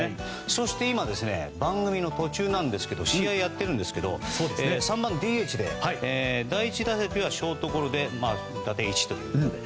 そして今番組の途中なんですけど試合をやってるんですけど３番ＤＨで第１打席はショートゴロで打点１という。